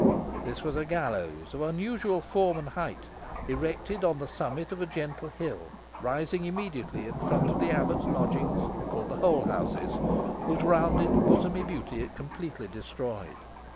This was a gallows of unusual form and height, erected on the summit of a gentle hill, rising immediately in front of the abbot's lodgings, called the Holehouses, whose rounded, bosomy beauty it completely destroyed.